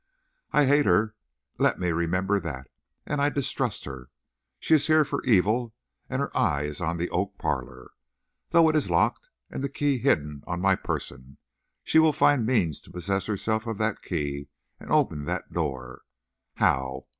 I hate her; let me remember that. And I distrust her. She is here for evil, and her eye is on the oak parlor. Though it is locked and the key hidden on my person, she will find means to possess herself of that key and open that door. How?